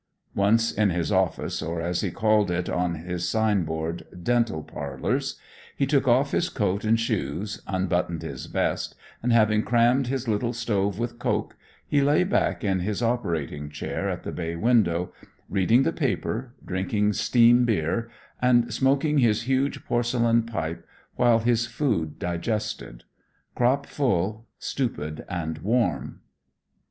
Once in his office, or, as he called it on his sign board, 'Dental Parlors,' he took off his coat and shoes, unbuttoned his vest, and, having crammed his little stove with coke, he lay back in his operating chair at the bay window, reading the paper, drinking steam beer, and smoking his huge porcelain pipe while his food digested; crop full, stupid and warm."